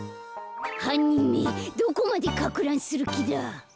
はんにんめどこまでかくらんするきだ。